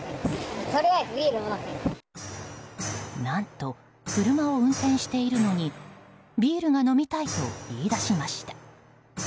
何と車を運転しているのにビールが飲みたいと言い出しました。